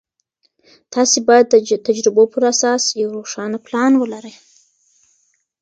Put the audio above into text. تاسې باید د تجربو پر اساس یو روښانه پلان ولرئ.